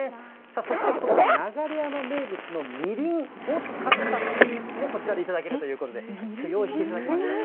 そしてこの流山名物のみりんを使ったスイーツも、こちらで頂けるということで、きょう、用意していただきました。